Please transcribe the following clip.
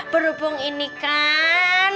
berhubung ini kan